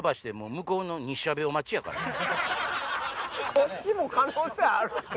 こっちも可能性あるって！